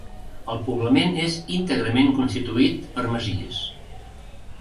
El poblament és íntegrament constituït per masies.